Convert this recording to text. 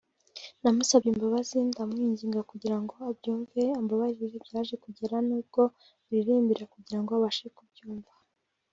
namusabye imbabazi ndamwinyinga kugira ngo abyumve ambabarire byaje kugera n’ubwo muririmbira kugira ngo abashe kubyumva